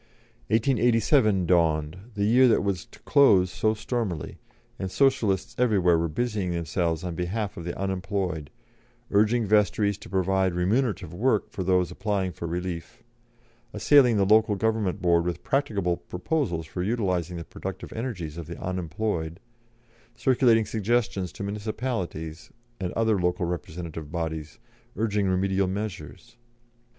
1887 dawned, the year that was to close so stormily, and Socialists everywhere were busying themselves on behalf of the unemployed, urging vestries to provide remunerative work for those applying for relief, assailing the Local Government Board with practicable proposals for utilising the productive energies of the unemployed, circulating suggestions to municipalities and other local representative bodies, urging remedial measures.